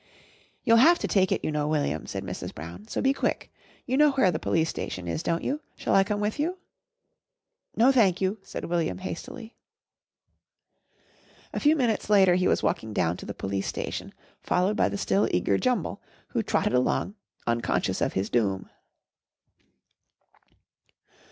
"You'll have to take it, you know, William," said Mrs. Brown, "so be quick. You know where the Police Station is, don't you? Shall I come with you?" "No, thank you," said William hastily. A few minutes later he was walking down to the Police Station followed by the still eager Jumble, who trotted along, unconscious of his doom.